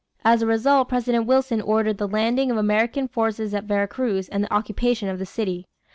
As a result President Wilson ordered the landing of American forces at Vera Cruz and the occupation of the city.